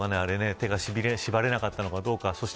手が縛れなかったのかどうか。